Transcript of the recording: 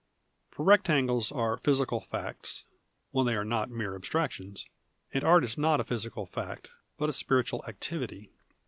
For rectangles are physical facts (when they arc not mere abstrac tions), and art is not a physical fact, but a spiritual activity.